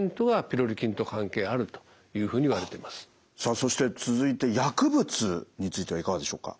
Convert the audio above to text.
さあそして続いて薬物についてはいかがでしょうか。